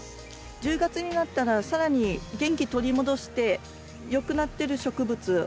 １０月になったら更に元気取り戻してよくなってる植物